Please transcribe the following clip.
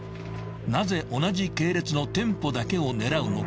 ［なぜ同じ系列の店舗だけを狙うのか］